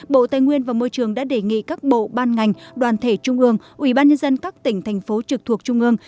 bộ tài nguyên và môi trường đã đề nghị các bộ ban ngành đoàn thể trung ương ubnd các tỉnh thành phố trực thuộc trung ương